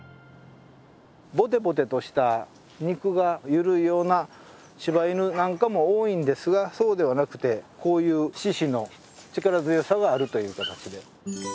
ぼてぼてとした肉が緩いような柴犬なんかも多いんですがそうではなくてこういう四肢の力強さがあるという形で。